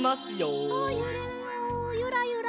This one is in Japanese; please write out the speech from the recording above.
ゆれるよゆらゆら。